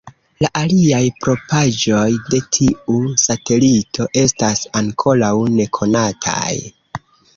La aliaj propraĵoj de tiu satelito estas ankoraŭ nekonataj.